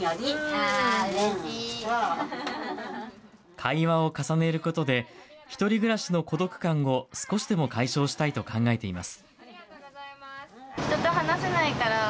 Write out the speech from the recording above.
会話を重ねることで、１人暮らしの孤独感を少しでも解消したいと考えています。